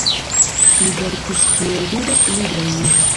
Li verkis pli ol dudek librojn.